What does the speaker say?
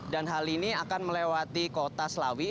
hal ini akan melewati kota selawi